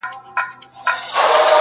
آخر به وار پر سینه ورکړي!